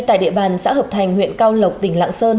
tại địa bàn xã hợp thành huyện cao lộc tỉnh lạng sơn